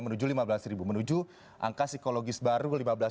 menuju lima belas menuju angka psikologis baru lima belas